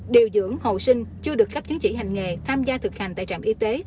điều dưỡng hậu sinh chưa được cấp chứng chỉ hành nghề tham gia thực hành tại trạm y tế